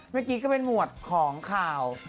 เมื่อกี้ก็เป็นหมวดของข่าว